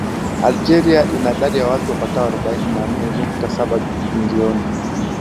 Algeria ina idadi ya watu wapatao arobaini na nne nukta saba milioni